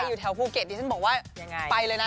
อยู่แถวภูเก็ตดิฉันบอกว่าไปเลยนะ